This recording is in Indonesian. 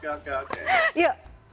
di studio ya